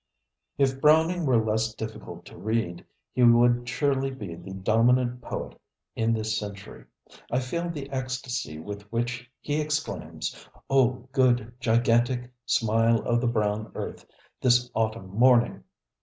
If Browning were less difficult to read, he would surely be the dominant poet in this century. I feel the ecstasy with which he exclaims, ŌĆ£Oh, good gigantic smile oŌĆÖ the brown old earth this autumn morning!